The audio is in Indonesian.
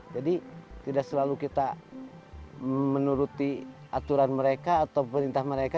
tidak selalu kita menuruti aturan mereka atau perintah mereka